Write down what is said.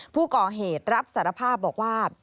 ผู้ก่อเหตุรับสารภาพบอกว่า